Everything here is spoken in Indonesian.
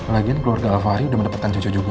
lagian keluarga alvari udah mendapatkan cucu gue